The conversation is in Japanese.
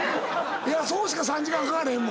そうしか３時間かかれへんもん。